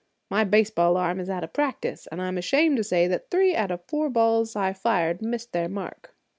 My baseball arm is out of practice, and I'm ashamed to say that three out of four balls I fired missed their mark."